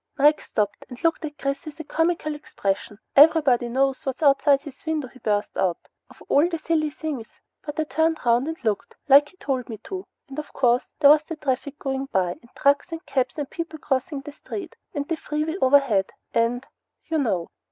'" Mike stopped and looked at Chris with a comical expression. "Everybody knows what's outside his window!" he burst out. "Of all the silly things! But I turned around and looked, like he told me to, and of course there was the traffic goin' by, and trucks, and cabs, and people crossin' the street, and the freeway overhead, an' you know."